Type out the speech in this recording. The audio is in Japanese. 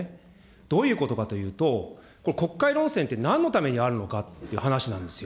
どういうことかというと、これ国会論戦ってなんのためにあるのかという話なんですよ。